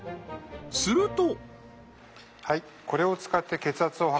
すると。